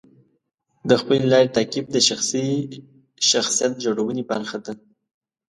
د خپلې لارې تعقیب د شخصي شخصیت جوړونې برخه ده.